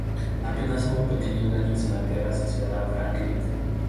Apenas hubo pequeños daños en tierra asociados a Franklin.